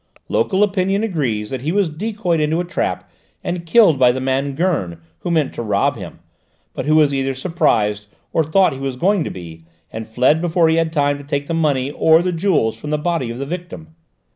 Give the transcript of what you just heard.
Local opinion agrees that he was decoyed into a trap and killed by the man Gurn, who meant to rob him, but who was either surprised or thought he was going to be, and fled before he had time to take the money or the jewels from the body of his victim.